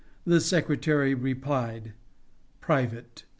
The Secretary replied: [Private.